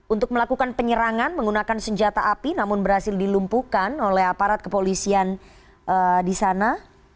untuk melakukan penyerangan menggunakan senjata api namun berhasil dilumpuhkan oleh aparat kepolisian di sana